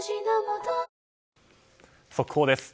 速報です。